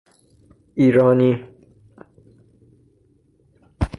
ایرانی